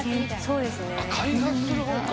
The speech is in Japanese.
開発する方か！